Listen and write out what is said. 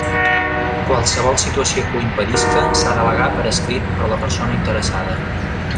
Qualsevol situació que ho impedisca s'ha d'al·legar per escrit per la persona interessada.